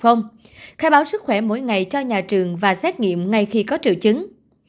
theo dõi f khai báo sức khỏe mỗi ngày cho nhà trường và xét nghiệm ngay khi có triệu chứng